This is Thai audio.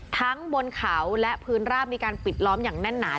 ทั้งบนเขาและพื้นราบมีการปิดล้อมอย่างแน่นหนา